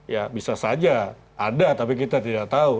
ya bisa saja ada tapi kita tidak tahu